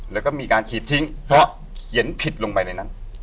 แล้วก็มีการขีดทิ้งเพราะเขียนผิดลงไปในนั้น